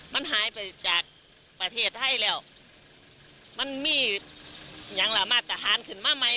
มันหายไปจากประเทศไทยแล้วมันมีอย่างละมาตรฐานขึ้นมาใหม่